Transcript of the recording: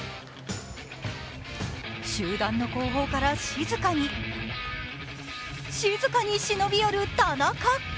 集団の後方から静かに、静かに忍び寄る田中。